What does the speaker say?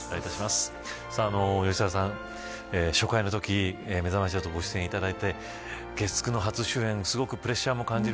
吉沢さん、初回のときめざまし８にご出演いただいて月９の初主演すごくプレッシャーも感じる。